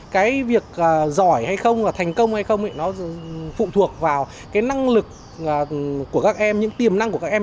cái việc giỏi hay không là thành công hay không nó phụ thuộc vào cái năng lực của các em những tiềm năng của các em